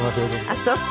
ああそう？